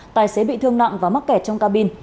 tài xế bị thương nặng và mắc kẹt trong cabin